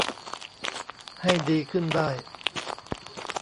ให้ดีขึ้นได้